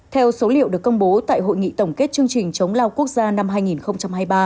theo số liệu được công bố tại hội nghị tổng kết chương trình chống lao quốc gia năm hai nghìn hai mươi ba